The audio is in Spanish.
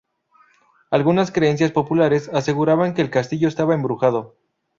Algunas creencias populares aseguraban que el castillo estaba embrujado.